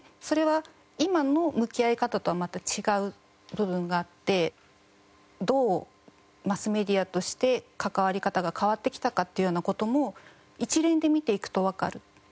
それは今の向き合い方とはまた違う部分があってどうマスメディアとして関わり方が変わってきたかっていうような事も一連で見ていくとわかる。